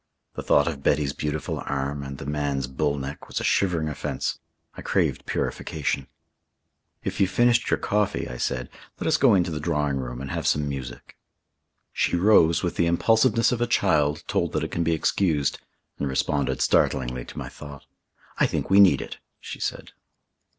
The thought of Betty's beautiful arm and the man's bull neck was a shivering offence. I craved purification. "If you've finished your coffee," I said, "let us go into the drawing room and have some music." She rose with the impulsiveness of a child told that it can be excused, and responded startlingly to my thought. "I think we need it," she said.